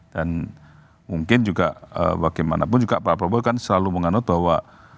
mungkin juga bagaimanapun juga pak prabowo kan selalu menganut bahwa